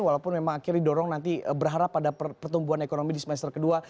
walaupun memang akhirnya didorong nanti berharap pada pertumbuhan ekonomi di semester kedua